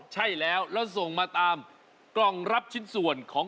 ใช่แล้วแล้วส่งมาตามกล่องรับชิ้นส่วนของ